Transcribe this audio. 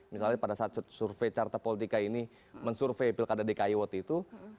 misalnya pada saat survei carta politika ini men survey pilkada dki waktu itu